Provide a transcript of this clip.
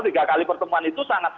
tiga kali pertemuan itu sangat